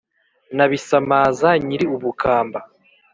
Na Bisamaza nyiri Ubukamba,